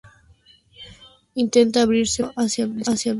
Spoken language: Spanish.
Intenta abrirse paso hacia el escenario.